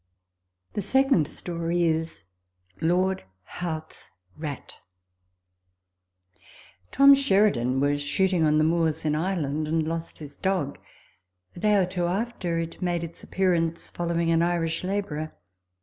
The second story is : Lord HowtWs Rat. Tom Sheridan was shooting on the moors in Ire land, and lost his dog. A day or two after it made its appearance, following an Irish labourer.